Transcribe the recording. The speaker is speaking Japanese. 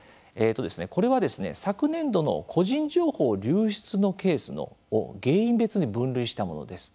これはですね、昨年度の個人情報流出のケースの原因別に分類したものです。